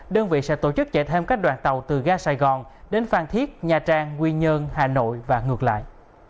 đơn vị sẽ tổ chức chạy thêm các đoàn tàu từ ga sài gòn đến phan thiết nha trang nguyên nhơn hà nội và ngược lại